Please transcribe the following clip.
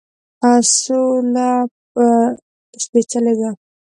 سوله سپیڅلې ده